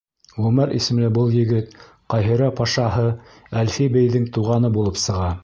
Ғүмәр исемле был егет Ҡаһирә пашаһы Әлфи бейҙең туғаны булып сыға.